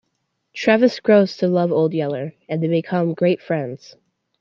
Travis grows to love Old Yeller, and they become great friends.